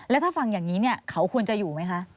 แล้วถ้าฟังอย่างนี้เขาควรจะอยู่ไหมคะ